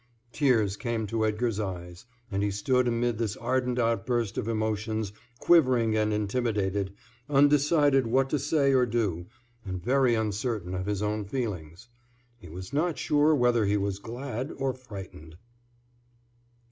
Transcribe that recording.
Tears came to Edgar's eyes, and he stood amid this ardent outburst of emotions quivering and intimidated, undecided what to say or do and very uncertain of his own feelings. He was not sure whether he was glad or frightened.